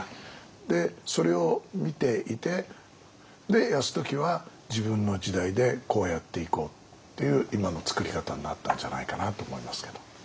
でそれを見ていて泰時は自分の時代でこうやっていこうっていう今の作り方になったんじゃないかなと思いますけど。